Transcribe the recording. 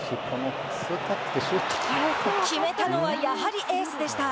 決めたのは、やはりエースでした。